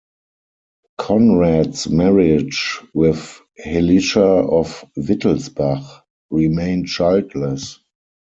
Conrad's marriage with Hellicha of Wittelsbach remained childless.